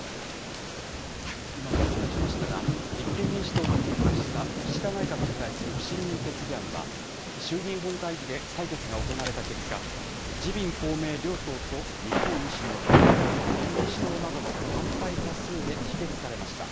今もお伝えしましたが、立憲民主党が提出した岸田内閣に対する不信任決議案は、衆議院本会議で採決が行われた結果、自民、公明両党と日本維新の会、国民民主党などの反対多数で否決されました。